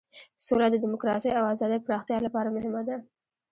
سوله د دموکراسۍ او ازادۍ پراختیا لپاره مهمه ده.